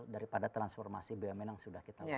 daripada transformasi bumn yang sudah kita lakukan